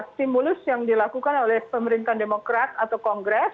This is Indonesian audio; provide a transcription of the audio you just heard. stimulus yang dilakukan oleh pemerintahan demokrat atau kongres